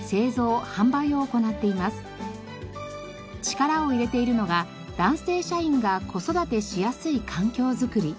力を入れているのが男性社員が子育てしやすい環境づくり。